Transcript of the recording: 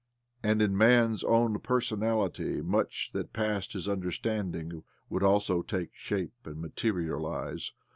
And in man's own personality much that passed his understanding would also take shape and materialize.